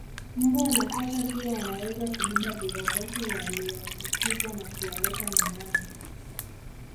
Mbwa na paka pia wanaweza kubeba viroboto walioambukizwa na kuwaleta nyumbani